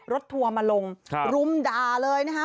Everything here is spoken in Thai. ทัวร์มาลงรุมด่าเลยนะคะ